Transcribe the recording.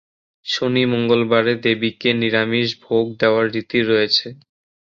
শনি-মঙ্গলবারে দেবীকে নিরামিষ ভোগ দেওয়ার রীতি রয়েছে।